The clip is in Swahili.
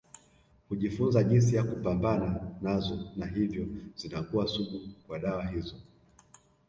Hujifunza jinsi ya kupambana nazo na hivyo zinakuwa sugu kwa dawa hizo